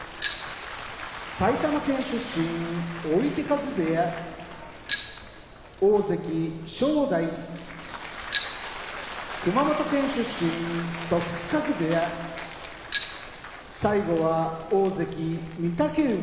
埼玉県出身追手風部屋大関・正代熊本県出身時津風部屋大関・御嶽海